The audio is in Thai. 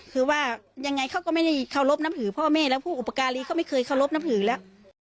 คือว่ายังไงเขาก็ไม่ได้เคารพนับถือพ่อแม่แล้วผู้อุปการีเขาไม่เคยเคารพนับถือแล้ว